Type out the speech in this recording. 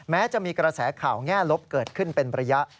แม้จะมีกระแสข่าวแง่ลบเกิดขึ้นเป็นระยะ